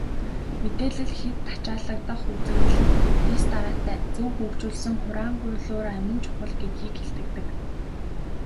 Мэдээлэл хэт ачаалагдах үзэгдэл нь дэс дараатай, зөв хөгжүүлсэн хураангуйлуур амин чухал гэдгийг илтгэдэг.